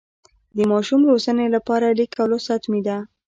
د ماشوم روزنې لپاره لیک او لوست حتمي ده.